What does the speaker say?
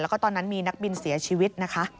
แล้วก็ตอนนั้นมีนักบินเสียชีวิตนะคะ